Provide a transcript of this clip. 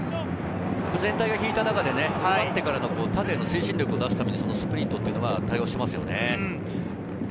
全体が引いた中で奪ってからの縦への推進力を出すためにスプリントが対応していますよね。